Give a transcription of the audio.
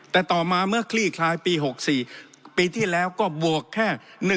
แต่ต่อมาเมื่อคลี่คลายปี๖๔ปีที่แล้วก็บวกแค่